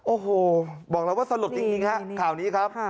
โอ้โหบอกแล้วว่าสลดจริงฮะข่าวนี้ครับ